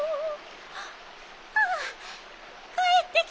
あっかえってきたコロ！